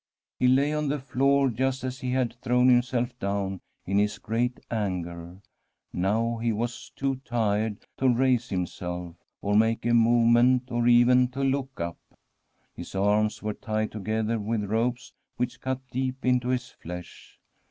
He lay on the floor just as he had thrown himself down in his great anger ; now he was too tired to raise himself, or make a movement, or even to look up. His arms were tied together with ropes, which cut deep into his flesh.